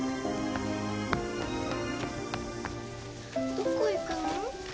どこ行くの？